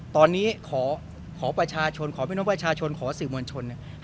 ตอนนี้ขอประชาชนขอพิมพ์ประชาชนขอสื่อมวลชน